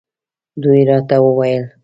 دوی راته وویل.